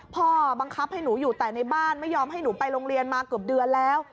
บังคับให้หนูอยู่แต่ในบ้านไม่ยอมให้หนูไปโรงเรียนมาเกือบเดือนแล้ว